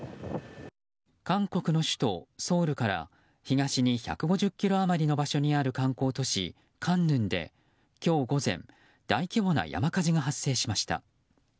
韓国の首都ソウルから東に１５０ｋｍ余りの場所にある観光都市カンヌンで今日午前大規模な山火事が発生しました。